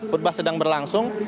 khutbah sedang berlangsung